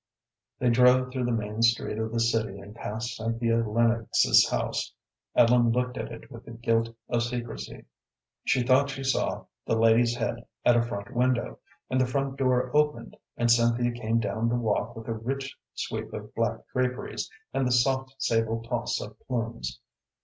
They drove through the main street of the city and passed Cynthia Lennox's house. Ellen looked at it with the guilt of secrecy. She thought she saw the lady's head at a front window, and the front door opened and Cynthia came down the walk with a rich sweep of black draperies, and the soft sable toss of plumes.